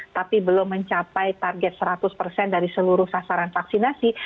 tapi belum mencapai target seratus persen dari seluruh sasaran vaksinasi